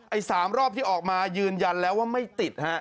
๓รอบที่ออกมายืนยันแล้วว่าไม่ติดฮะ